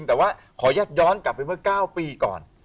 แต่ว่าขออนุญาตย้อนกลับไปเมื่อ๙ปีก่อน